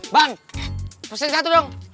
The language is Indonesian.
bang pesen satu dong